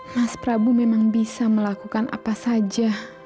mas prabu memang bisa melakukan apa saja